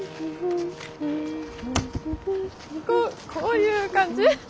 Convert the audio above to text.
こういう感じ？